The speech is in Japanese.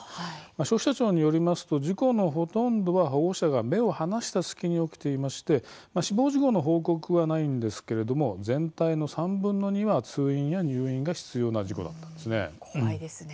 消費者庁によりますと事故のほとんどは保護者が目を離した隙に起きていまして死亡事故の報告はないんですが全体の３分の２は通院や入院が怖いですね。